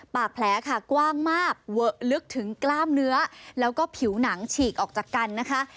บาดแผลค่ะกว้างมากเวอะลึกถึงกล้ามเนื้อแล้วก็ผิวหนังฉีกออกจากกันนะคะ